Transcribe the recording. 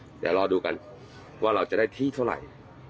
เดี๋ยวรอดูกันว่าเราจะได้ที่เท่าไหร่